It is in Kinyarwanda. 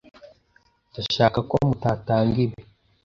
Ndashaka ko mutatanga ibi.